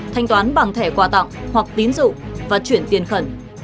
thanh toán bằng thẻ quà tặng hoặc tín dụ và chuyển tiền khẩn